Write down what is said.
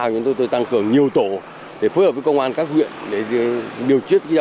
nhằm ngăn chặn việc vận chuyển